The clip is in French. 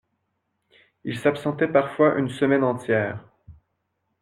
Il s’absentait parfois une semaine entière.